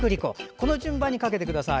この順番にかけてください。